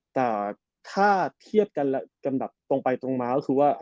แต่ถ้าเทียบกันกำดับไปกันคือว่า